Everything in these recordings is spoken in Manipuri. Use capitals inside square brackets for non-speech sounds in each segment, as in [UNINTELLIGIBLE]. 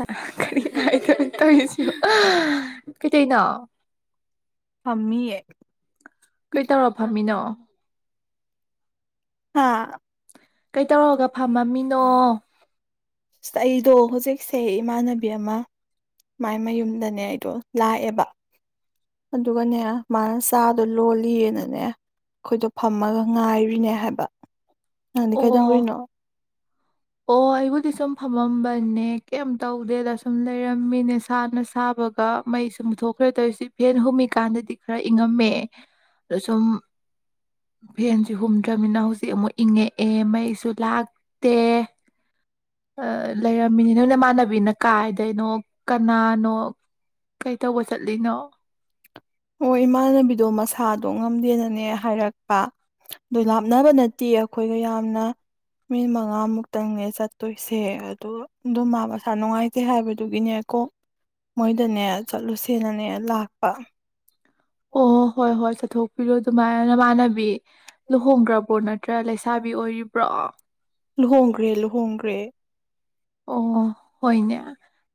ꯑ ꯀꯔꯤ ꯍꯥꯏꯗꯣꯏꯅꯣ ꯇꯧꯔꯤꯁꯤꯕꯣ ꯀꯩ ꯇꯩꯅꯣ ꯐꯝꯃꯤꯌꯦ ꯎꯝ ꯍꯥꯥ ꯀꯩꯇꯧꯔꯒ ꯐꯝꯃꯝꯃꯤꯅꯣ ꯑꯁ ꯑꯩꯗꯣ ꯍꯧꯖꯤꯛꯁꯦ ꯏꯃꯥꯟꯅꯕꯤ ꯑꯃ ꯃꯥꯏ ꯃꯌꯨꯝꯗꯅꯦ ꯑꯩꯗꯣ ꯂꯥꯛꯑꯦꯕ ꯑꯗꯨꯒꯅꯦ ꯃꯥꯅ ꯆꯥꯗꯣ ꯂꯣꯜꯂꯤꯑꯅꯅꯦ ꯑꯩꯈꯣꯏꯗꯣ ꯐꯝꯃꯒ ꯉꯥꯏꯔꯤꯅꯦ ꯍꯥꯏꯕ ꯅꯪꯗꯤ ꯑꯣ ꯀꯩꯗꯧꯔꯤꯅꯣ ꯑꯣ ꯑꯩꯕꯨ ꯗꯤ ꯁꯨꯝ ꯐꯝꯃꯝꯕꯅꯦ ꯀꯦꯝ ꯇꯧꯗꯦꯗ ꯁꯨꯝ ꯂꯩꯔꯝꯃꯤꯅꯦ ꯁꯥꯅ ꯁꯥꯕꯒ ꯃꯩꯁꯨ ꯃꯨꯠꯊꯣꯛꯈ꯭ꯔꯦ ꯇꯧꯔꯤꯁꯤ ꯐꯦꯟ ꯍꯨꯝꯃꯤꯀꯥꯟꯗꯗꯤ ꯈꯔ ꯏꯪꯉꯝꯃꯦ ꯑꯗ ꯁꯨꯝ ꯐꯦꯟꯁꯦ ꯍꯨꯝꯗ꯭ꯔꯕꯅꯤꯅ ꯍꯧꯖꯤꯛ ꯑꯃꯨꯛ ꯏꯪꯉꯦ ꯑꯦ ꯃꯩꯁꯨ ꯂꯥꯛꯇꯦ ꯑ ꯂꯩꯔꯝꯃꯤꯅꯦ ꯅꯣꯏ ꯅꯃꯥꯟꯅꯕꯤꯅ ꯀꯥꯏꯗꯩꯅꯣ ꯀꯅꯥꯅꯣ ꯀꯩꯇꯧꯕ ꯆꯠꯂꯤꯅꯣ ꯑꯩꯈꯣꯏ ꯏꯃꯥꯟꯅꯕꯤꯗꯣ ꯃꯁꯥ ꯁꯥꯗꯣ ꯉꯝꯗꯦꯅꯅꯦ ꯍꯥꯏꯔꯛꯄ ꯑꯗꯨꯏ ꯂꯥꯞꯅꯕ ꯅꯠꯇꯤꯌꯦ ꯑꯩꯈꯣꯏꯒ ꯌꯥꯝꯅ ꯃꯤꯅꯤꯠ ꯃꯉꯥꯃꯨꯛꯇꯪꯅꯦ ꯆꯠꯇꯣꯏꯁꯦ ꯑꯗꯣ ꯑꯗꯣ ꯃꯥ ꯃꯁꯥ ꯅꯨꯡꯉꯥꯏꯇꯦ ꯍꯥꯏꯕꯗꯨꯒꯤꯅꯦ ꯀꯣꯛ ꯃꯣꯏꯗꯅꯦ ꯆꯠꯂꯨꯁꯦꯅꯅꯦ ꯂꯥꯛꯄ ꯑꯣ ꯍꯣꯏ ꯍꯣꯏ ꯆꯠꯊꯣꯛꯄꯤꯔꯣ ꯑꯗꯨꯃꯥꯏꯅ ꯅꯃꯥꯟꯅꯕꯤ ꯂꯨꯍꯣꯡꯒ꯭ꯔꯕꯣ ꯅꯠꯇ꯭ꯔꯥ ꯂꯩꯁꯥꯕꯤ ꯑꯣꯏꯔꯤꯕ꯭ꯔꯣ ꯂꯨꯍꯣꯡꯒ꯭ꯔꯦ ꯂꯨꯍꯣꯡꯒ꯭ꯔꯦ ꯑꯣ ꯍꯣꯏꯅꯦ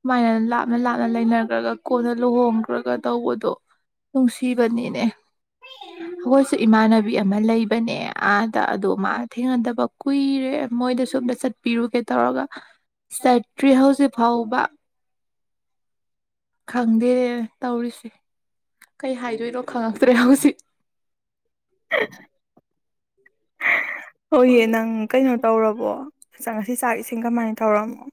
ꯁꯨꯃꯥꯏꯅ ꯂꯥꯞꯅ ꯂꯥꯞꯅ ꯂꯩꯅꯈ꯭ꯔꯒ ꯀꯣꯟꯅ ꯂꯨꯍꯣꯡꯈ꯭ꯔꯒ ꯇꯧꯕꯗꯣ ꯅꯨꯡꯁꯤꯕꯅꯤꯅꯦ ꯑꯈꫭꯏꯁꯨ ꯏꯃꯥꯟꯅ ꯕꯤ ꯑꯃ ꯂꯩꯕꯅꯦ ꯑꯥꯗ ꯑꯗꫭ ꯃꯥ ꯊꯦꯡꯅꯗꯕ ꯀꯨꯏꯔꯦ ꯃꯣꯏꯗꯁꯨ ꯑꯝꯗ ꯆꯠꯄꯤꯔꯨꯒꯦ ꯇꯧꯔꯒ ꯆꯠꯇ꯭ꯔꯤ ꯍꯧꯖꯤꯛ ꯐꯥꯎꯕ ꯈꯪꯗꯦꯔꯦ ꯇꯧꯔꯤꯁꯦ ꯀꯩ ꯍꯥꯏꯗꯣꯏꯅꯣ ꯈꯪꯉꯛꯇ꯭ꯔꯦ ꯍꯧꯖꯤꯛ [INAUDIBLE] ꯍꯣꯏꯌꯦ ꯅꯪ ꯀꯩꯅꯣ ꯇꯧꯔꯕꯣ ꯆꯥꯛ ꯉꯁꯤ ꯆꯥꯛ ꯏꯁꯤꯡ ꯀꯃꯥꯏꯅ ꯇꯧꯔꯝꯃꯣ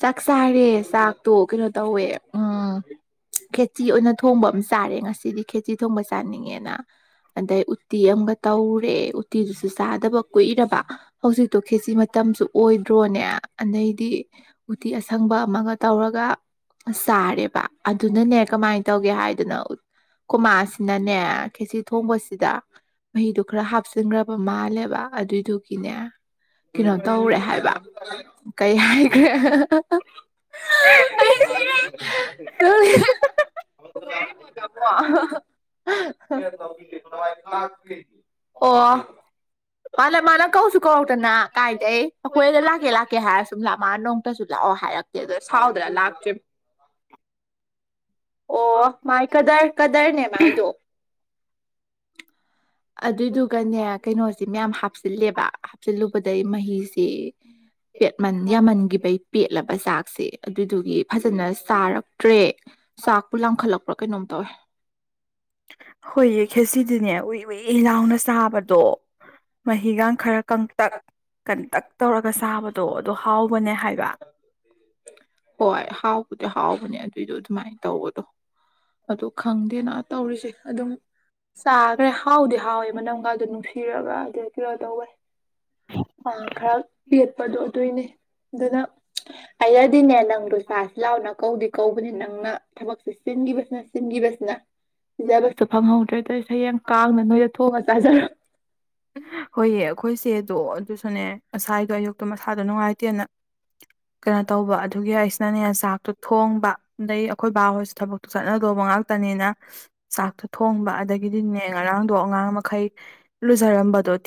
ꯆꯥꯛ ꯆꯥꯔꯦ ꯆꯥꯛꯇꯣ ꯀꯩꯅꯣ ꯇꯧꯋꯦ ꯎꯝ ꯈꯦꯆꯤ ꯑꯣꯏꯅ ꯊꯣꯡꯕ ꯑꯃ ꯆꯥꯔꯦ ꯉꯁꯤꯗꯤ ꯈꯦꯆꯤ ꯊꯣꯡꯕ ꯆꯥꯅꯤꯡꯉꯦꯅ ꯑꯗꯩ ꯎꯠꯇꯤ ꯑꯃꯒ ꯇꯧꯔꯦ ꯎꯠꯇꯤꯗꯨꯁꯨ ꯆꯥꯗꯕ ꯀꯨꯏꯔꯦꯕ ꯍꯧꯖꯤꯛꯇꯣ ꯈꯦꯆꯤ ꯃꯇꯝꯁꯨ ꯑꯣꯏꯗ꯭ꯔꯣꯅꯦ ꯑꯗꯩꯗꯤ ꯎꯇꯤ ꯑꯁꯪꯕ ꯑꯃꯒ ꯇꯧꯔꯒ ꯆꯥꯔꯦꯕ ꯑꯗꯨꯅꯅꯦ ꯀꯃꯥꯏꯅ ꯇꯧꯒꯦ ꯍꯥꯏꯗꯅ ꯈꫭꯃꯥꯁꯤꯅꯅꯦ ꯈꯦꯆꯤ ꯊꯣꯡꯕꯁꯤꯗ ꯃꯍꯤꯗꯨ ꯈꯔ ꯍꯥꯞꯆꯤꯟꯈ꯭ꯔꯕ ꯃꯥꯜꯂꯦꯕ ꯑꯗꯨꯏꯗꯨꯒꯤꯅꯦ ꯀꯩꯅꯣ ꯇꯧꯔꯦ ꯍꯥꯏꯕ ꯀꯩ ꯍꯥꯏꯈ꯭ꯔꯦ ꯑ ꯅꯪ ꯂꯩꯔꯒꯕꯣ [INAUDIBLE] ꯑꯣ ꯃꯥꯂ ꯃꯥꯂ ꯀꯧꯁꯨ ꯀꯧꯔꯛꯇꯅ ꯀꯥꯏꯗꯩ ꯑꯩꯈꯣꯏꯗ ꯂꯥꯛꯀꯦ ꯂꯥꯛꯀꯦ ꯍꯥꯏꯔ ꯁꯨꯝ ꯂꯞ ꯃꯥ ꯅꯨꯡ ꯑꯣ ꯍꯥꯏꯔꯛꯀꯦ ꯑꯗ ꯁꯥꯎꯗꯅ ꯂꯥꯛꯇ꯭ꯔꯤ ꯑꯣ ꯃꯥꯏ ꯀꯗꯔ ꯀꯗꯔꯅꯦ ꯃꯥꯏꯗꯣ ꯑꯗꯨꯏꯗꯨꯒꯅꯦ ꯀꯩꯅꯣꯁꯦ ꯃꯌꯥꯝ ꯍꯥꯞꯆꯤꯜꯂꯦꯕ ꯍꯥꯞꯆꯤꯜꯂꯨꯕꯗꯩ ꯃꯍꯤꯁꯦ ꯏ ꯄꯦꯠꯃꯟ ꯌꯥꯝꯃꯟꯈꯤꯕꯩ ꯄꯦꯠꯂꯕ ꯆꯥꯛꯁꯦ ꯑꯗꯨꯗꯨꯒꯤ ꯐꯖꯅ ꯆꯥꯔꯛꯇ꯭ꯔꯦ ꯆꯥꯛꯄꯨ ꯂꯥꯝꯈꯠꯂꯛ ꯄ꯭ꯔ ꯀꯩꯩꯅꯣꯝ ꯇꯧꯋꯦ ꯍꯣꯏꯌꯦ ꯈꯦꯁꯤꯗꯤꯅꯦ ꯎꯏ ꯎꯏ ꯂꯥꯎꯅ ꯆꯥꯕꯗꯣ ꯃꯍꯤꯒ ꯈꯔ ꯀꯪꯇꯛ ꯀꯟꯇꯛ ꯇꯧꯔꯒ ꯆꯥꯕꯗꯣ ꯑꯗꫭ ꯍꯥꯎꯕꯅꯦ ꯍꯥꯏꯕ ꯍꯣꯏ ꯍꯥꯎꯕꯗꯤ ꯍꯥꯎꯕꯅꯦ ꯑꯗꯨꯏꯗꯣ ꯑꯗꯨꯃꯥꯏꯅ ꯇꯧꯕꯗꯣ ꯑꯗꯣ ꯈꯪꯗꯦꯅ ꯇꯧꯔꯤꯁꯦ ꯑꯗꯨꯝ ꯆꯥꯒ꯭ꯔꯦ ꯍꯥꯎꯗꯤ ꯍꯥꯎꯋꯦ ꯃꯅꯝꯒ ꯗꯨ ꯅꯨꯡꯁꯤꯔꯒ ꯑꯗꯨ ꯀꯩꯅꯣ ꯇꯧꯋꯦ ꯑ ꯈꯔ ꯄꯦꯠꯄꯗꯣ ꯑꯗꯨꯏꯅꯦ ꯑꯗꯨꯅ ꯑꯌꯥꯏ ꯁꯤꯅꯦ ꯅꯪꯗꯣ ꯆꯁꯤ ꯂꯥꯎꯅ ꯀꯧꯗꯤ ꯀꯧꯕꯅꯦ ꯅꯪꯅ ꯊꯕꯛꯁ ꯆꯤꯟꯈꯤꯕꯁꯤꯅ ꯆꯤ ꯕꯁꯅ ꯖꯦ ꯑꯔ ꯑꯦꯐ ꯐꯪꯍꯧꯗ꯭ꯔꯦ ꯇꯧꯁꯦ ꯍꯌꯦꯡ ꯀꯥꯡꯅ ꯅꯣꯏꯗ ꯊꯣꯛꯂꯑꯁꯤ [UNINTELLIGIBLE] ꯍꯣꯏꯌꯦ ꯑꯩꯈꯣꯏꯁꯦꯗꯣ ꯑꯗꯨꯁꯨꯅꯦ ꯉꯁꯥꯏꯗꯣ ꯑꯌꯨꯛꯇꯣ ꯃꯁꯥꯗꯣ ꯅꯨꯡꯉꯥꯏꯇꯦꯅ ꯀꯩꯅꯣ ꯇꯧꯕ ꯑꯗꯨꯒꯤ ꯍꯥꯏꯁꯤꯅꯅꯦ ꯆꯥꯛꯇꯣ ꯊꯣꯡꯕ ꯑꯗꯩ ꯑꯩꯈꯣꯏ ꯕꯥ ꯍꯣꯏꯁꯨ ꯊꯕꯛꯇꯨ ꯆꯠꯅꯗꯧꯕ ꯉꯥꯛꯇꯅꯤꯅ ꯆꯥꯛꯇꯣ ꯊꯣꯡꯕ ꯑꯗꯒꯤꯗꯤ ꯅꯦ ꯉꯔꯥꯡꯗꯣ ꯑꯉꯥꯡ ꯃꯈꯩ ꯂꯨꯖꯔꯝꯕꯥꯗꯣ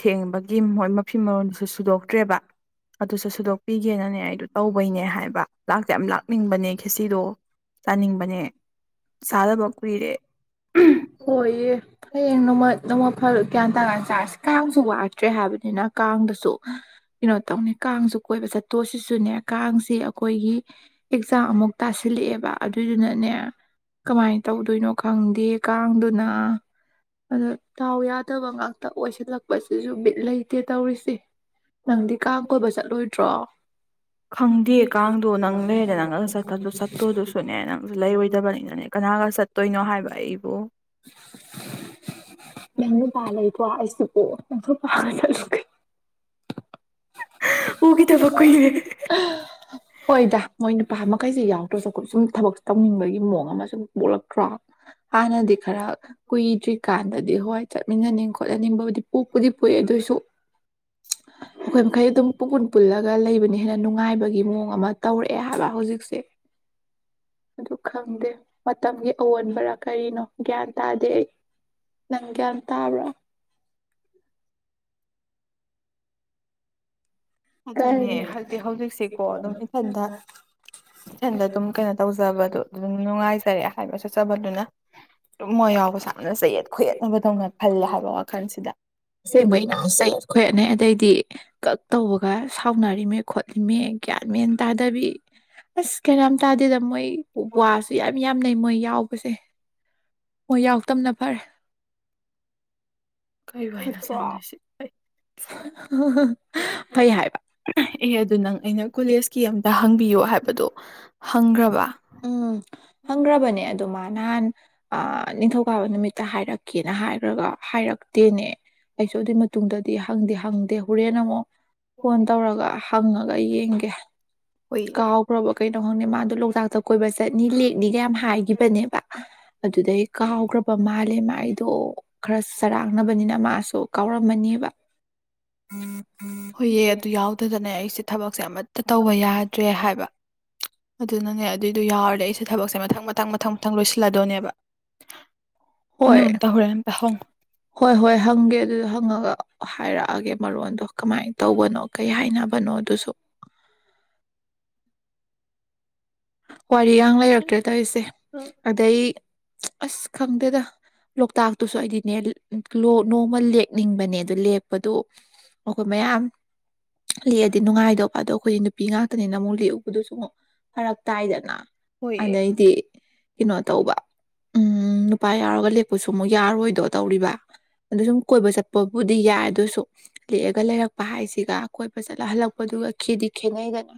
ꯑꯗꯨꯁꯨ ꯁꯨꯗꯣꯛꯄꯤꯒꯦꯅꯅꯦ ꯑꯩꯗꯣ ꯇꯧꯕꯩꯅꯦ ꯍꯥꯏꯕ ꯂꯥꯛꯇꯤ ꯌꯥꯝ ꯂꯥꯛꯅꯤꯡꯕꯅꯦ ꯈꯦꯆꯤꯗꯣ ꯆꯥꯅꯤꯡꯕꯅꯦ ꯆꯥꯗꯕ ꯀꯨꯏꯔꯦ ꯑꯣꯏꯌꯦ ꯍꯌꯦꯡ ꯅꯣꯡꯃ ꯅꯣꯡꯃ ꯐꯔꯛ ꯒꯌꯥꯟ ꯇꯉꯥꯟ ꯆꯥꯔꯁꯤ ꯀꯥꯡꯁꯨ ꯋꯥꯠꯇ꯭ꯔꯦ ꯍꯥꯏꯕꯅꯤꯅ ꯀꯥꯡꯗꯁꯨ ꯀꯩꯅꯣ ꯇꯧꯅꯤ ꯀꯥꯡꯁꯨ ꯀꯣꯏꯕ ꯆꯠꯇꯣꯁꯤꯁꯨꯅꯦ ꯀꯥꯡꯁꯦ ꯑꯩꯈꯣꯏꯒꯤ ꯑꯦꯛꯖꯥꯝꯃꯨꯛ ꯇꯥꯁꯤꯜꯂꯛꯑꯦꯕ ꯑꯗꯨꯏꯗꯨꯅꯅꯦ ꯀꯃꯥꯏꯅ ꯇꯧꯗꯣꯏꯅꯣ ꯈꯪꯗꯦ ꯀꯥꯡꯗꯨꯅ ꯑꯗꯣ ꯗꯥꯎ ꯌꯥꯗꯕ ꯉꯥꯛꯇ ꯍꯇ ꯑꯣꯏꯁꯤꯜꯂꯛꯄꯁꯤꯁꯨ ꯕꯤꯠ ꯂꯩꯇꯦ ꯇꯧꯔꯤꯁꯤ ꯅꯪꯗꯤ ꯀꯥꯡ ꯀꯣꯏꯕ ꯆꯠꯂꯣꯏ [UNINTELLIGIBLE] ꯈꯪꯗꯦ ꯀꯥꯡꯗꯣ ꯅꯪ ꯂꯩꯔꯦꯗ ꯅꯪꯒ ꯆꯠꯇꯣꯗꯨꯁꯨꯅꯦ ꯅꯪ ꯂꯩꯔꯣꯏꯗꯕꯅꯤꯅꯅꯦ ꯀꯅꯥꯒ ꯆꯠꯇꯣꯏꯅꯣ ꯍꯥꯏꯕ ꯑꯩꯕꯨ [UNINTELLIGIBLE] ꯑꯩꯁꯨ ꯀꯣ [UNINTELLIGIBLE] [UNINTELLIGIBLE] ꯎꯈꯤꯗꯕ ꯀꯨꯏꯔꯦ ꯍꯣꯏꯗ ꯃꯣꯏ ꯃꯈꯩꯁꯦ ꯌꯥꯎꯗ꯭ꯔꯁꯨꯈꯠ ꯁꯨꯝ ꯊꯕꯛ ꯇꯧꯅꯤꯡꯕꯒꯤ ꯃꯑꯣꯡ ꯑꯃ ꯁꯨꯝ ꯄꯣꯛꯂꯛꯇ꯭ꯔꯣ ꯍꯥꯟꯅꯗꯤ ꯈꯔ ꯀꯨꯏꯗ꯭ꯔꯤꯀꯥꯟꯗꯗꯤ ꯍꯣꯏ ꯆꯠꯃꯤꯟꯅꯅꯤꯡ ꯈꯣꯠꯍꯟꯅꯤꯡꯕꯕꯨꯗꯤ ꯄꯣꯛꯄꯨꯗꯤ ꯄꯣꯛꯏꯦ ꯑꯗꯨꯑꯣꯏꯁꯨ ꯑꯩꯈꯣꯏ ꯃꯈꯩ ꯑꯗꯨꯝ ꯄꯨꯟ ꯄꯨꯜꯂꯒ ꯂꯩꯕꯅꯤ ꯍꯦꯟꯅ ꯅꯨꯡꯉꯥꯏꯕꯒꯤ ꯃꯑꯣꯡ ꯑꯃ ꯇꯧꯔꯛꯑꯦ ꯍꯥꯏꯕ ꯍꯧꯖꯤꯛꯁꯦ ꯑꯗꯨ ꯈꯪꯗꯦ ꯃꯇꯝꯒꯤ ꯑꯑꯣꯟꯕꯔ ꯀꯔꯤꯅꯣ ꯒ꯭ꯌꯥꯟ ꯇꯥꯗꯦ ꯑꯩ ꯅꯪ ꯒ꯭ꯌꯥꯟ ꯇꯥꯕ꯭ꯔꯥ ꯑꯗꯨꯅꯦ ꯀꯔꯤ ꯍꯥꯏꯗꯤ ꯍꯧꯖꯤꯛꯁꯤꯀꯣ ꯑꯗꯨꯝ ꯏꯊꯟꯗ ꯏꯊꯟꯗ ꯑꯗꯨꯝ ꯀꯩꯅꯣ ꯇꯧꯖꯕꯗꯣ ꯑꯗꯨꯝ ꯅꯨꯡꯉꯥꯏꯖ [UNINTELLIGIBLE] ꯍꯥꯏꯕ ꯆꯠꯆꯕꯗꯨꯅ ꯇꯨꯝꯃꯣꯏ ꯌꯥꯎꯕꯁ ꯌꯥꯝꯅ ꯆꯌꯦꯠ ꯈꯨꯣꯏꯌꯦꯠꯅꯕꯗꯧꯅ ꯈꯜꯂꯦ ꯍꯥꯏꯕ ꯋꯥꯈꯜꯁꯤꯗ ꯑꯁꯦꯡꯕꯩꯅ ꯆꯩ ꯈꯣꯏꯠꯅꯩ ꯑꯗꯩꯗꯤ ꯀꯛ ꯇꯧꯕꯒ ꯁꯥꯎꯅꯔꯤꯃꯦ ꯈꯣꯠꯂꯤꯃꯦ ꯒ꯭ꯌꯥꯟ ꯃꯦꯟ ꯇꯥꯗꯕꯤ ꯑꯁ ꯀꯩꯅꯝ ꯇꯥꯗꯦꯗ ꯃꯣꯏ ꯋꯥꯁꯨ ꯌꯥꯝ ꯌꯥꯝ ꯅꯩ ꯃꯣꯏ ꯌꯥꯎꯕꯁꯦ ꯃꯣꯏ ꯌꯥꯎ ꯇꯞꯅ ꯐꯔꯦ ꯀꯩ ꯋꯥꯏꯔꯤꯅꯣ ꯐꯠꯇ꯭ꯔꯣ ꯁꯥꯟꯗꯣꯏꯁꯤ ꯑꯩ [UNINTELLIGIBLE] ꯐꯩ ꯍꯥꯏꯕ ꯑꯦ ꯑꯗꯨ ꯅꯪ ꯑꯩꯅ ꯀꯣꯂꯦꯖꯀꯤ ꯑꯝꯇ ꯍꯪꯕꯤꯌꯣ ꯍꯥꯏꯕꯗꯨꯣ ꯍꯪꯈ꯭ꯔꯕ ꯎꯝ ꯍꯪꯈ꯭ꯔꯕꯅꯦ ꯑꯗꯨ ꯃꯥ ꯅꯍꯥꯟ ꯅꯤꯡꯊꯧꯀꯥꯕ ꯅꯨꯃꯤꯠꯇ ꯍꯥꯏꯔꯛꯀꯦꯅ ꯍꯥꯏꯈ꯭ꯔꯒ ꯍꯥꯏꯔꯛꯇꯦꯅꯦ ꯑꯩꯁꯨ ꯑꯗꯨꯏ ꯃꯇꯨꯡꯗꯗꯤ ꯍꯪꯗꯦ ꯍꯪꯗꯦ ꯍꯣꯔꯦꯟ ꯑꯃꯨꯛ ꯐꯣꯟ ꯇꯧꯔꯒ ꯍꯪꯉꯒ ꯌꯦꯡꯒꯦ ꯍꯣꯏ ꯀꯥꯎꯈꯔꯕ ꯀꯩꯅꯣ ꯈꯪꯗꯦ ꯃꯥꯗꯣ ꯂꯣꯛꯇꯥꯛꯇ ꯀꯣꯏꯕꯆꯠ ꯅꯤ ꯂꯦꯛꯅꯤꯒ ꯌꯥꯝ ꯍꯥꯏꯈꯤꯕꯅꯦꯕ ꯑꯗꯨꯗꯩ ꯀꯥꯎꯈ꯭ꯔꯕ ꯃꯥꯜꯂꯦ ꯃꯥ ꯑꯩꯗꯣ ꯈꯔ ꯆꯔꯥꯡꯅꯕꯅꯤꯅ ꯃꯥꯁꯨ ꯀꯥꯎꯔꯝꯃꯅꯤꯕ ꯍꯣꯏꯌꯦ ꯑꯗꯨ ꯌꯥꯎꯗꯗꯅꯦ ꯑꯩꯁꯦ ꯊꯕꯛꯁꯦ ꯑꯃ ꯇ ꯇꯧꯕ ꯌꯥꯗ꯭ꯔꯦ ꯍꯥꯏꯕ ꯑꯗꯨꯅꯅꯦ ꯑꯗꯨꯏꯗꯣ ꯌꯥꯎꯔꯗꯤ ꯑꯩꯁꯦ ꯊꯕꯛꯁꯦ ꯃꯊꯪ ꯃꯊꯪ ꯃꯊꯪ ꯃꯊꯪ ꯂꯣꯏꯁꯤꯜꯂꯗꯣꯏꯅꯦꯕ ꯍꯣꯏ ꯅꯪ ꯑꯝꯇ ꯍꯣꯔꯦꯟ ꯑꯝꯇ ꯍꯪꯉꯣ ꯍꯣꯏ ꯍꯣꯏ ꯍꯪꯒꯦ ꯑꯗꯨꯗ ꯍꯪꯉꯒ ꯍꯥꯏꯔꯛꯑꯒꯦ ꯃꯔꯣꯟꯗꯣ ꯀꯃꯥꯏꯅ ꯇꯧꯕꯅꯣ ꯀꯩ ꯍꯥꯏꯅꯕꯅꯣ ꯑꯗꯨꯁꯨ ꯋꯥꯔꯤꯌꯥꯡ ꯂꯩꯔꯛꯇ꯭ꯔꯦ ꯇꯧꯔꯤꯁꯦ ꯑꯗꯩ ꯑꯁ ꯈꯪꯗꯦꯗ ꯂꯣꯛꯇꯥꯛꯇꯨꯁꯨ ꯑꯩꯗꯤꯅꯦ ꯅꯣꯡꯃ ꯂꯦꯛꯅꯤꯡꯕꯅꯦ ꯑꯗ ꯂꯦꯛꯄꯗꯨ ꯑꯩꯈꯣꯏ ꯃꯌꯥꯝ ꯂꯦꯛꯑꯗꯤ ꯅꯨꯡꯉꯥꯏꯗꯧꯕ ꯑꯗꯣ ꯑꯩꯈꯣꯏ ꯅꯨ ꯄꯤ ꯉꯥꯛꯇꯅꯤꯅ ꯑꯃꯨꯛ ꯂꯦꯛꯎꯕꯗꯨꯁꯨ ꯐꯔꯛ ꯇꯥꯏꯗꯅ ꯍꯣꯏꯌꯦ ꯑꯗꯩꯗꯤ ꯀꯩꯅꯣ ꯇꯧꯕ ꯎꯝ ꯅꯨꯄꯥ ꯌꯥꯎꯔꯒ ꯂꯦꯛꯄꯁꯨ ꯑꯃꯨꯛ ꯌꯥꯔꯣꯏꯗꯣ ꯇꯧꯔꯤꯕ ꯑꯗꯨ ꯁꯨꯝ ꯀꯣꯏꯕ ꯆꯠꯄꯕꯨꯗꯤ ꯌꯥꯏ ꯑꯗꯨꯁꯨ ꯂꯦꯛꯑꯒ ꯂꯩꯔꯛꯄ ꯍꯥꯏꯁꯤꯒ ꯀꯣꯏꯕ ꯆꯠꯂ ꯍꯜꯂꯛꯄꯗꯨꯒ ꯈꯦꯗꯤ ꯈꯦꯠꯅꯩꯗꯅ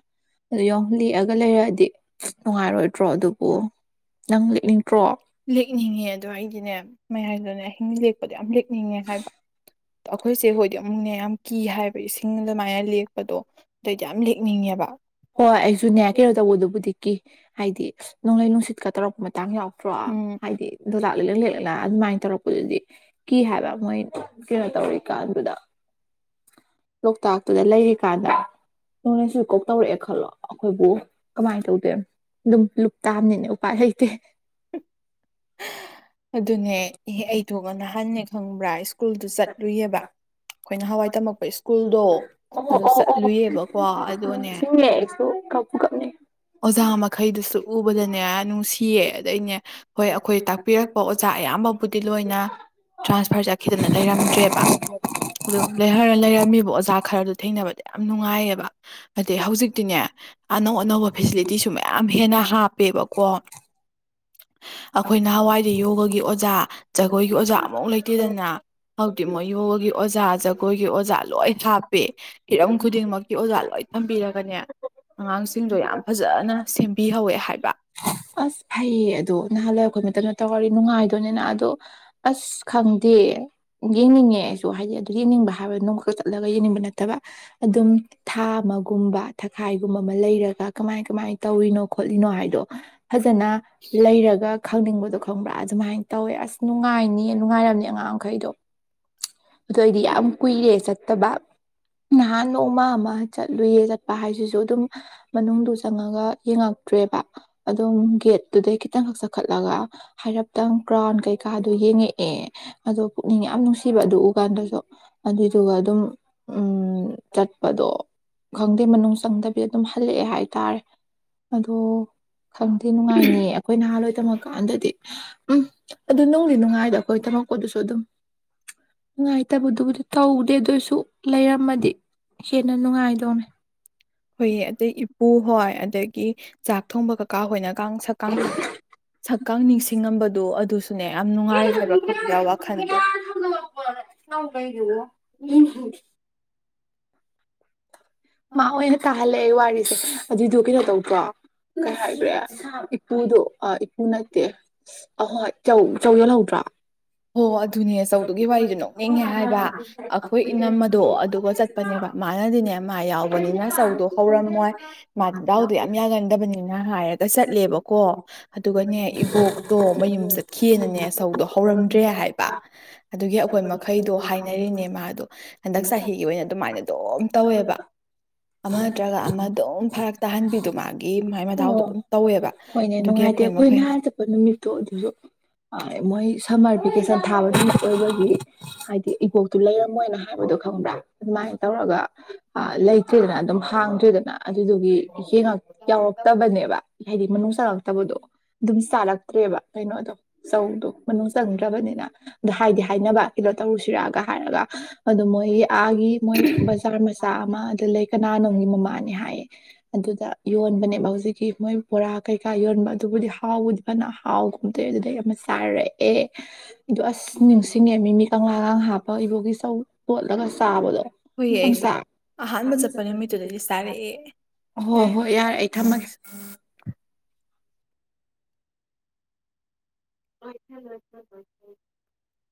ꯑꯗꯨ ꯌꯦꯉꯣ ꯂꯦꯛꯑꯒ ꯂꯩꯔꯛꯑꯗꯤ ꯑ ꯅꯨꯡꯉꯥꯏꯔꯣꯏꯗ꯭ꯔꯣ ꯑꯗꯨꯕꯨ ꯅꯪ ꯂꯛꯅꯤꯡ ꯂꯦꯛꯅꯤꯡꯉꯦ ꯑꯗꯣ ꯑꯩꯗꯤꯅꯦ ꯃꯌꯥꯝꯗꯅꯦ ꯂꯦꯛꯄꯗꯣ ꯌꯥꯝ ꯂꯦ ꯅꯤꯡꯉꯦ ꯍꯥꯏꯕ ꯑꯩꯈꯣꯏ ꯆꯦ ꯍꯣꯏꯗꯤ ꯑꯃꯨꯛꯅꯦ ꯌꯥꯝ ꯀꯤ ꯍꯥꯏꯕ ꯏꯁꯤꯡ ꯑꯗꯨꯃꯥꯏꯅ ꯂꯦꯛꯄꯗꯣ ꯑꯗꯨꯑꯩꯗꯤ ꯌꯥꯝ ꯂꯦꯛꯅꯤꯡꯉꯦꯕ ꯍꯣꯏ ꯑꯩꯁꯨꯅꯦꯌꯥ ꯀꯩꯅꯣ ꯇꯧꯕꯗꯨꯕꯨꯗꯤꯀꯤ ꯍꯥꯏꯗꯤ ꯅꯣꯡꯂꯩ ꯅꯨꯡꯁꯤꯠꯀ ꯇꯧꯔꯛꯄ ꯇꯥꯡ ꯌꯥꯎꯛꯇ꯭ꯔꯣ ꯎꯝ ꯍꯥꯏꯗꯤ ꯑꯗꯨꯗꯥ ꯂꯤꯂ ꯂꯂ [UNINTELLIGIBLE] ꯑꯗꯨꯃꯥꯏꯅ ꯇꯧꯔꯛꯄꯗꯨꯗꯤ ꯀꯤ ꯍꯥꯏꯕ ꯃꯣꯏ ꯀꯩꯅꯣ ꯇꯧꯔꯤꯀꯥꯟꯗꯨꯗ ꯂꯣꯛꯇꯥꯛꯇꯨꯗ ꯂꯩꯔꯤꯀꯥꯟꯗ ꯅꯣꯡꯂꯁꯨ ꯀꯣꯛ ꯇꯧꯔꯛꯑꯦ ꯈꯜꯂꯣ ꯑꯩꯈꯣꯏꯕꯨ ꯀꯃꯥꯏꯅ ꯇꯧꯗꯦꯝ ꯑꯗꯨꯝ ꯂꯨꯞꯇꯥꯥꯕꯅꯤꯅꯦ ꯎꯄꯥꯏ ꯂꯩꯇꯦ ꯑꯗꯨꯅꯦ ꯑꯩ ꯇ ꯅꯍꯥꯟꯅꯦ ꯈꯪꯕ꯭ꯔꯥ ꯁ꯭ꯀꯨꯜꯗꯨ ꯆꯠꯂꯨꯏꯌꯦꯕ ꯑꯩꯈꯣꯏꯅ ꯍꯋꯥꯏ ꯇꯝꯃꯛꯄ ꯁ꯭ꯀꯨꯜꯗꯣ ꯑꯣ ꯑꯗꯨ ꯑꯣ ꯑꯣ ꯆꯠꯂꯨꯏꯑꯕꯀꯣ ꯑꯗꯨꯒꯅꯦ ꯅꯤꯡꯁꯤꯡꯉꯦ ꯑꯩꯁꯨ ꯀꯞꯄꯨ ꯀꯞꯅꯤꯡ ꯑꯣꯖꯥ ꯃꯈꯩꯗꯨꯁꯨ ꯎꯕꯗꯅꯦ ꯅꯨꯡꯁꯤꯌꯦ ꯑꯗꯩꯅꯦ ꯍꯣꯏ ꯑꯩꯈꯣꯏ ꯇꯥꯛꯄꯤꯔꯛꯄ ꯑꯣꯖꯥ ꯑꯌꯥꯝꯕꯕꯨꯗꯤ ꯂꯣꯏꯅ ꯇ꯭ꯔꯥꯟꯁꯐꯔ ꯆꯠꯈꯤꯗꯅ ꯂꯩꯔꯝꯗ꯭ꯔꯦꯕ ꯑꯗꯨ ꯂꯩꯔ ꯂꯩꯔꯝꯃꯤꯕ ꯑꯣꯖꯥ ꯈꯔꯗꯣ ꯊꯦꯡꯅꯕꯗ ꯌꯥꯝ ꯅꯨꯡꯉꯥꯏꯌꯦꯕ ꯑꯗꯤ ꯍꯧꯖꯤꯛꯇꯤꯅꯦ ꯑꯅꯧ ꯑꯅꯧꯕ ꯐꯦꯁꯤꯂꯤꯇꯤꯁꯨ ꯃꯌꯥꯝ ꯍꯦꯟꯅ ꯍꯥꯞꯄꯦꯕꯀꯣ ꯑꯩꯈꯣꯏ ꯅꯍꯥꯟꯋꯥꯏꯗꯤ ꯌꯣꯒꯒꯤ ꯑꯣꯖꯥ ꯖꯒꯣꯏꯒꯤ ꯑꯣꯖꯥ ꯑꯃꯧꯛ ꯂꯩꯇꯦꯗꯅ ꯍꯧꯛꯇꯤ ꯃꯣꯏ ꯌꯣꯒꯒꯤ ꯑꯣꯖꯥ ꯖꯒꯣꯏꯒꯤ ꯑꯣꯖꯥ ꯂꯣꯏ ꯍꯥꯞꯄꯦ ꯍꯤꯔꯝ ꯈꯨꯗꯤꯡꯃꯛꯀꯤ ꯑꯣꯖꯥ ꯂꯣꯏꯅ ꯊꯝꯕꯤꯔꯒ ꯀꯅꯦ ꯑꯉꯥꯡꯁꯤꯡꯗꯣ ꯌꯥꯝ ꯐꯖꯅ ꯁꯦꯝꯕꯤꯍꯧꯋꯦ ꯍꯥꯏꯕ ꯑꯁ ꯐꯩꯌꯦ ꯑꯗꯣ ꯅꯍꯥꯟ ꯂꯩꯔꯛ ꯈꯄ ꯃꯇꯝꯗ ꯇꯧꯋꯥꯗꯤ ꯅꯨꯡꯉꯥꯏꯗꯣꯏꯅꯤꯅ ꯑꯗꯣ ꯑꯁ ꯈꯪꯗꯦ ꯌꯦꯡꯅꯤꯡꯉꯦ ꯑꯩꯁꯨ ꯍꯥꯏꯗꯤ ꯑꯗꯨ ꯌꯦꯡꯅꯤꯡꯕ ꯍꯥꯏꯕꯗ ꯅꯣꯡ ꯈꯛꯇ ꯆꯠꯂꯒ ꯌꯦꯡꯅꯤꯡꯕ ꯅꯠꯇꯕ ꯑꯗꯨꯝ ꯊꯥ ꯑꯃꯒꯨꯝꯕ ꯊꯈꯥꯏꯒꯨꯝꯕ ꯑꯃ ꯂꯩꯔꯒ ꯀꯃꯥꯏ ꯀꯃꯥꯏꯅ ꯇꯧꯔꯤꯅꯣ ꯈꯣꯠꯂꯤꯅꯣ ꯍꯥꯏꯗꯣ ꯐꯖꯅ ꯂꯩꯔꯒ ꯈꯪꯅꯤꯡꯕꯗꯣ ꯈꯪꯕ꯭ꯔꯥ ꯑꯗꯨꯃꯥꯏꯅ ꯇꯧꯋꯦ ꯑꯁ ꯅꯨꯡꯉꯥꯏꯅꯤ ꯍ ꯅꯨꯡꯉꯥꯏꯔꯝꯅꯤ ꯑꯉꯥꯡ ꯃꯈꯩꯗꯣ ꯑꯗꯨ ꯑꯣꯏꯗꯤ ꯌꯥꯝ ꯀꯨꯏꯔꯦ ꯆꯠꯇꯕ ꯅꯍꯥꯟ ꯅꯣꯡꯃ ꯑꯃꯥ ꯆꯠ ꯂꯨꯌꯦ ꯆꯠ ꯍꯥꯏꯁꯤꯁꯨ ꯑꯗꯨꯝ ꯃꯅꯨꯡꯗꯨ ꯆꯪꯉꯒ ꯌꯦꯡꯉꯛꯇ꯭ꯔꯦꯕ ꯑꯗꯨꯝ ꯒꯦꯠꯇꯨꯗꯩ ꯈꯤꯇꯪꯈꯛ ꯆꯈꯠꯂꯒ ꯍꯥꯏꯔꯞꯇꯪ ꯀ꯭ꯔꯥꯎꯟ ꯀꯩꯀꯥꯗꯣ ꯌꯦꯡꯉꯛꯑꯦ ꯑꯗꯣ ꯄꯨꯛꯅꯤꯡ ꯌꯥꯝ ꯅꯨꯡꯁꯤꯕ ꯑꯗꯨ ꯎ ꯀꯥꯟꯗꯁꯨ ꯑꯗꯨꯏꯗꯨꯒ ꯑꯗꯨꯝ ꯎꯝ ꯎ ꯆꯠꯄꯗꯣ ꯈꯪꯗꯦ ꯃꯅꯨꯡ ꯆꯪꯗꯕꯤ ꯑꯗꯨꯝ ꯍꯜꯂꯛꯑꯦ ꯍꯥꯏꯇꯥꯔꯦ ꯑꯗꯣ ꯈꯪꯗꯦ ꯅꯨꯡꯉꯥꯏꯅꯤꯌꯦ ꯑꯩꯈꯣꯏ ꯅꯍꯥꯥꯟꯋꯥꯏ ꯇꯝꯃꯛ ꯀꯥꯟꯗꯗꯤ ꯎꯝ ꯑꯗꯨ ꯅꯨꯡꯗꯤ ꯅꯨꯡꯉꯥꯏꯗ ꯑꯩꯈꯣꯏ ꯇꯃꯛꯄꯣꯗꯨꯁꯨ ꯑꯗꯨꯝ ꯅꯨꯡꯉꯥꯏꯇꯕꯗꯨꯕꯨꯗꯤ ꯇꯧꯗꯦ ꯑꯗꯨ ꯑꯣꯏꯁꯨ ꯂꯩꯔꯝꯃꯗꯤ ꯍꯦꯟꯅ ꯅꯨꯡꯉꯥꯏꯗꯧꯅꯦ ꯍꯣꯏꯌꯦ ꯑꯇꯩ ꯏꯄꯨ ꯍꯣꯏ ꯑꯗꯒꯤ ꯆꯥꯛ ꯊꯣꯡꯕ ꯀꯀꯥ ꯍꯣꯏꯅ ꯛ ꯁꯛꯀ ꯀꯥꯡ ꯅꯤꯡꯁꯤꯡꯉꯝꯕꯗꯣ ꯑꯗꯨꯁꯨ ꯑꯗꯨꯨꯅꯦ ꯌꯥꯝ ꯅꯨꯡꯉꯥꯏ ꯍꯥꯏꯕ ꯈꯨꯗ ꯋꯥꯈꯜꯗꯣ ꯇꯧꯕꯩꯗꯨꯕꯨ ꯌꯦꯡꯅꯤꯡꯗꯦ ꯃꯥꯑꯣꯏꯅ ꯇꯥꯍꯟꯂꯦ ꯑꯩ ꯋꯥꯔꯤꯁꯦ ꯑꯗꯨꯏꯗꯨ ꯀꯩꯅꯣ ꯇꯧꯗ꯭ꯔꯣ ꯀꯩ ꯍꯥꯏꯈ꯭ꯔꯦ ꯏꯄꯨꯗꯨ ꯑꯥ ꯏꯄꯨ ꯅꯠꯇꯦ ꯑ ꯍꯣꯏ ꯍꯣꯏ ꯆꯧ ꯆꯧ ꯌꯣꯟꯍꯧꯗ꯭ꯔꯣ ꯍꯣ ꯑꯗꯨꯅꯦ ꯆꯧꯗꯨꯒꯤ ꯋꯥꯔꯤꯗꯨ ꯅꯣꯛꯅꯤꯡꯉꯦ ꯍꯥꯏꯕ ꯑꯩꯈꯣꯏ ꯏꯅꯝ ꯑꯗꯣ ꯑꯗꯨꯒ ꯆꯠꯄꯅꯦꯕ ꯃꯥꯅꯗꯤꯅꯦ ꯃꯥ ꯌꯥꯎꯕ ꯍꯅꯤꯅ ꯆꯧꯗꯣ ꯍꯧꯔꯝꯃꯣꯏ ꯃꯥ ꯗꯥꯎꯗꯣ ꯌꯥꯝ ꯌꯥꯒꯟꯗꯕꯅꯤꯅ ꯍꯥꯏꯔꯒ ꯆꯠꯂꯦꯕꯀꯣ ꯑꯗꯨꯒꯅꯦ ꯏꯕꯣꯛꯇꯣ ꯃꯌꯨꯝ ꯆꯠꯈꯤꯑꯅꯅꯦ ꯆꯧꯗꯣ ꯍꯧꯔꯝ ꯇ꯭ꯔꯦ ꯍꯥꯏꯕ ꯑꯗꯨꯒꯤ ꯑꯩꯈꯣꯏ ꯃꯈꯩꯗꯣ ꯍꯥꯏꯅꯔꯤꯅꯦ ꯃꯥꯗꯣ ꯍꯟꯗꯛ ꯆꯍꯤꯒꯤ ꯑꯣꯏꯅ ꯑꯗꯨꯃꯥꯏꯅ ꯑꯗꯨꯝ ꯇꯧꯋꯦꯕꯥ ꯇꯥꯍꯟꯕꯤꯗꯣ ꯃꯥꯒꯤ ꯃꯥꯏ ꯃꯗꯥꯎꯗꯣ ꯑꯣ ꯑꯗꯨꯝ ꯇꯧꯋꯦꯕ ꯍꯣꯏꯅꯦ ꯑꯗꯨꯒꯤ ꯅꯨꯡꯉꯥꯏꯇꯦ ꯑꯩꯈꯣꯏ ꯑꯩꯈꯣꯏꯅ ꯃꯈꯩ ꯅꯍꯥꯟ ꯆꯠꯄ ꯅꯨꯃꯤꯠꯇꯣ ꯑꯗꯨꯁꯨ ꯃꯣꯏ ꯁꯝꯃꯔ ꯚꯦꯀꯦꯁꯟ ꯊꯥꯕ ꯅꯨꯃꯤꯠ ꯑꯣꯏꯕꯒꯤ ꯍꯥꯏꯗꯤ ꯏꯕꯣꯛꯇꯨ ꯂꯩꯔꯝꯃꯣꯏꯅ ꯍꯥꯏꯕꯗꯣ ꯈꯪꯕ꯭ꯔꯥ ꯑꯗꯨꯃꯥꯏꯅ ꯇꯧꯔꯒ ꯂꯩꯇ꯭ꯔꯦꯗꯅ ꯑꯗꯨꯝ ꯍꯥꯡꯗ꯭ꯔꯦꯗꯅ ꯑꯗꯨꯗꯨꯒꯤꯉ ꯌꯥꯎꯔꯛꯇꯕꯅꯦꯕ ꯍꯥꯏꯗꯤ ꯃꯅꯨꯡ ꯆꯪꯉꯛꯇꯕꯗꯣ ꯑꯗꯨꯝ ꯆꯥꯔꯛꯇ꯭ꯔꯦꯕ ꯀꯩꯅꯣꯗꯣ ꯆꯧꯗꯣ ꯃꯅꯨꯡ ꯆꯪꯗ꯭ꯔꯕꯅꯤꯅ ꯑꯗꯣ ꯍꯥꯏꯗꯤ ꯍꯥꯏꯅꯕ ꯀꯩꯅꯣ ꯇꯧꯔꯨꯁꯤꯔꯒ ꯍꯥꯏꯔꯒ ꯑꯗꯨ ꯃꯣꯏ ꯑꯥꯒꯤ ꯃꯣꯏ ꯕꯖꯥꯔ ꯃꯆꯥ ꯑꯝ ꯑꯗꯨ ꯂꯩ ꯀꯅꯥꯅꯣꯝꯒꯤ ꯃꯃꯥꯅꯦ ꯍꯥꯏꯌꯦ ꯑꯗꯨꯗ ꯌꯣꯟꯕꯅꯦꯕ ꯍꯧꯖꯤꯛꯀꯤ ꯃꯣꯏ ꯕꯣꯔꯥ ꯀꯩꯀꯥ ꯌꯣꯟꯕ ꯑꯗꯨꯕꯨꯗꯤ ꯍꯥꯎꯕꯨꯗꯤ ꯐꯅ ꯍꯥꯎꯒꯨꯝꯇꯧꯌꯦ ꯑꯗꯨꯗꯩ ꯑꯃ ꯆꯥꯔꯛꯑꯦ ꯑꯗꯨ ꯑꯁ ꯅꯤꯡꯁꯤꯡꯉꯦ ꯃꯤꯃꯤ ꯀꯪꯂꯥꯒꯥꯡ ꯍꯥꯞꯄ ꯏꯕꯣꯛꯀꯤ ꯆꯧ ꯀꯣꯠꯂꯒ ꯆꯥꯕꯗꯣ ꯍꯣꯏꯌꯦ ꯑꯩꯁꯨ ꯑꯍꯥꯟꯕ ꯆꯠꯄ ꯅꯨꯃꯤꯠꯇꯨꯗꯗꯤ ꯑꯟꯑꯣꯗꯤꯕꯜ ꯆꯥꯔꯛꯑꯦ ꯍꯣ ꯍꯣꯏ ꯌꯥꯔꯦ ꯑꯩ ꯊꯝꯃꯒꯦ ꯑꯟꯑꯣꯗꯤꯕꯜ